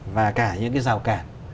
và cả những cái rào cản